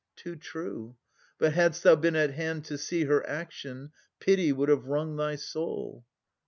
Too true. But hadst thou been at hand to see Her action, pity would have wrung thy soul.